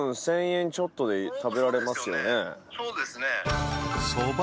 そうですね。